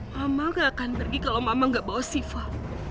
mama gak akan pergi kalau mama gak bawa sifah